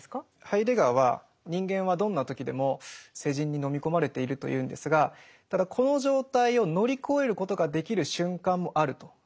ハイデガーは人間はどんな時でも世人に飲み込まれているというんですがただこの状態を乗り越えることができる瞬間もあるというふうに言うんですね。